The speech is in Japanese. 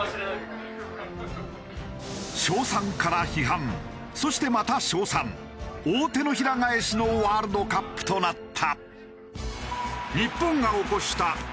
称賛から批判そしてまた称賛大手のひら返しのワールドカップとなった。